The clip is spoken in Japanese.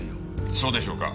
そうでしょうか？